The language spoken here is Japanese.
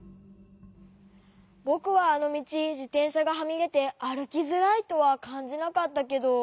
ぼくはあのみちじてんしゃがはみでてあるきづらいとはかんじなかったけど。